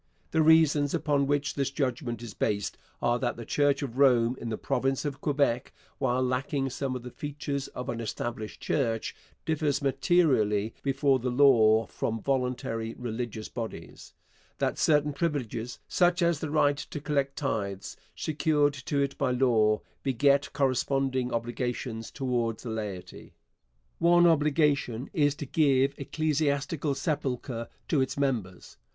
The reasons upon which this judgment is based are that the Church of Rome in the province of Quebec, while lacking some of the features of an established church, differs materially before the law from voluntary religious bodies; that certain privileges, such as the right to collect tithes, secured to it by law, beget corresponding obligations towards the laity. One obligation is to give ecclesiastical sepulchre to its members.